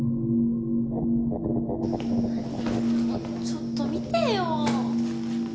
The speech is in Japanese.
ちょっと見てよ。